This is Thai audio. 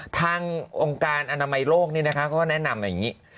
ทางองค์การอนามัยโลกเขาก็แนะนำอย่างนี้